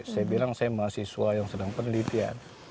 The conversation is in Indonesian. saya bilang saya mahasiswa yang sedang penelitian